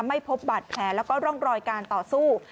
ไม่พบบาดแผลแล้วก็ร่องรอยการต่อสู้